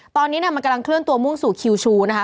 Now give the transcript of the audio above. ตอนนี้มันกำลังเคลื่อนตัวมุ่งสู่คิวชูนะคะ